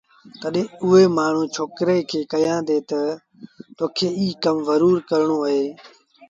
تڏهيݩ اُئي مآڻهوٚٚݩ ڇوڪري کي ڪهيآݩدي تا تا تو کي ايٚ ڪم زرُور ڪرڻو اهي